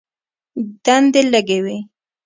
دندې لږې وې.